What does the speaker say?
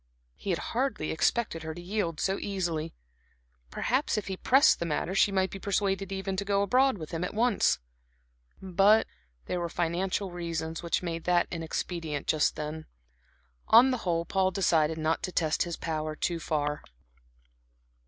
He had hardly expected her to yield so easily; perhaps if he pressed the matter she might be persuaded even to go abroad with him at once. But there were financial reasons which made that inexpedient just then. On the whole, Paul decided not to test his power too far.